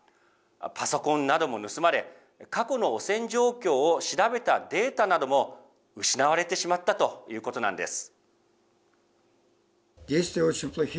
パソコンなども盗まれ、過去の汚染状況を調べたデータなども失われてしまったということなんです。